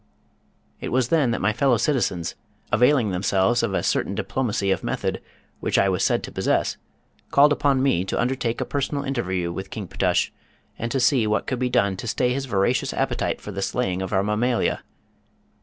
] It was then that my fellow citizens, availing themselves of a certain diplomacy of method which I was said to possess, called upon me to undertake a personal interview with King Ptush, and to see what could be done to stay his voracious appetite for the slaying of our mammalia.